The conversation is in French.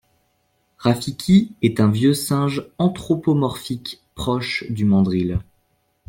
Rafiki est un vieux singe anthropomorphique proche du mandrill.